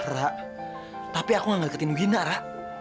ra tapi aku gak deketin wina ra